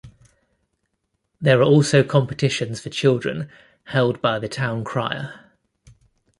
There are also competitions for children held by the town crier.